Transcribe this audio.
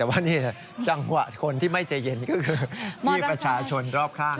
แต่ว่านี่จังหวะคนที่ไม่ใจเย็นก็คือพี่ประชาชนรอบข้าง